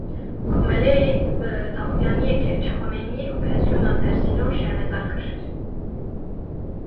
Komeleyê, bi daxuyaniyeke çapameniyê operasyona dersînor şermezar kir